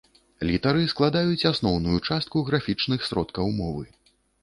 Літары складаюць асноўную частку графічных сродкаў мовы.